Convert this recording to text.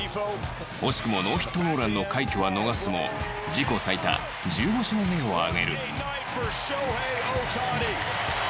惜しくも、ノーヒットノーランの快挙は逃すも自己最多１５勝目を挙げる。